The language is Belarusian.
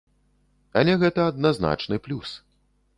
Але гэта адназначны плюс.